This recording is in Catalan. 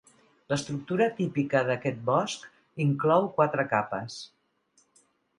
L'estructura típica d'aquest bosc inclou quatre capes.